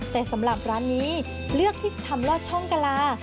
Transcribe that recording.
แต่สำหรับร้านนี้เลือกที่จะทำลอดช่องกะลา